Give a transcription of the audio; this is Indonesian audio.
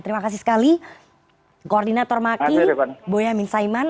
terima kasih sekali koordinator maki boyamin saiman